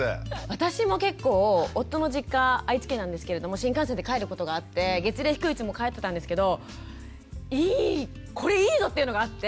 私も結構夫の実家愛知県なんですけれども新幹線で帰ることがあって月齢低いうちも帰ってたんですけどいいこれいいぞっていうのがあって。